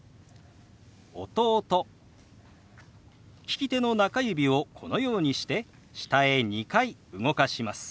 利き手の中指をこのようにして下へ２回動かします。